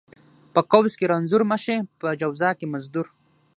ـ په قوس کې رنځور مشې، په جواز کې مزدور.